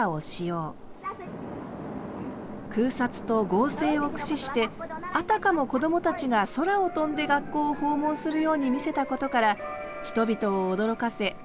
空撮と合成を駆使してあたかもこどもたちが空を飛んで学校を訪問するように見せたことから人々を驚かせ大人気となります。